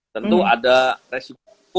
tentu ada resiko